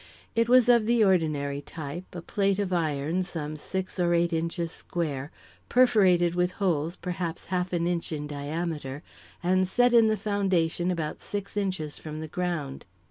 It was of the ordinary type a plate of iron some six or eight inches square, perforated with holes perhaps half an inch in diameter, and set in the foundation about six inches from the ground.